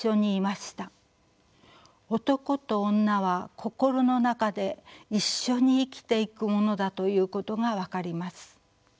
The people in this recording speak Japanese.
男と女は心の中で一緒に生きていくものだということが分かります。